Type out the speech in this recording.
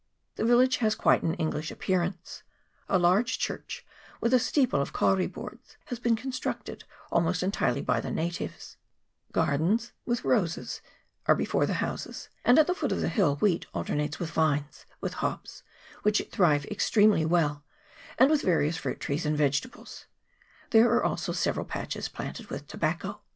The village has quite an English appearance ; a large church, with a steeple of kauri boards, has been constructed almost entirely by the natives ; gardens, with roses, are before the houses, and at the foot of the hill wheat alternates with vines, with hops, which thrive extremely well, and with various fruit trees and vegetables : there are also several patches planted with tobacco.